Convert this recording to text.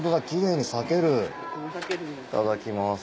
いただきます。